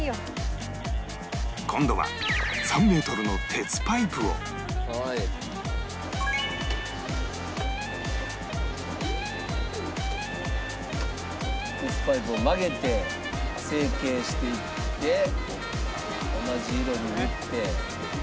鉄パイプを曲げて成形していって同じ色に塗って。